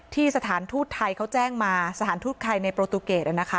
สถานทูตไทยเขาแจ้งมาสถานทูตไทยในโปรตูเกต